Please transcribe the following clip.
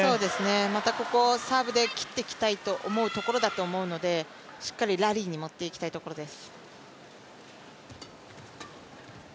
またここサーブで切っていきたいところだと思うのでしっかりラリーに持っていきたいところです。